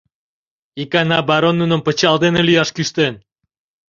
Икана барон нуным пычал дене лӱяш кӱштен.